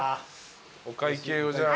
お会計をじゃあ。